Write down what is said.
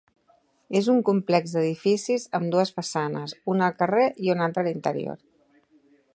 És un complex d'edificis amb dues façanes, una al carrer i una altra a l'interior.